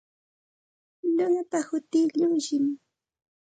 Nuqapa hutii Llushim.